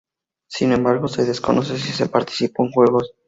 Sin embargo, se desconoce si se participado en juegos.